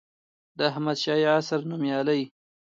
د احمدشاهي عصر نوميالي